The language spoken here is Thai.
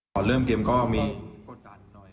ก่อนเริ่มเกมก็มีกดดันหน่อย